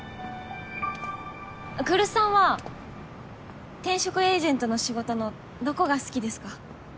来栖さんは転職エージェントの仕事のどこが好きですか？